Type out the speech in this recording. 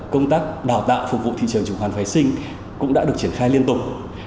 công tác đào tạo phục vụ thị trường chứng khoán vệ sinh cũng đã được triển khai liên tục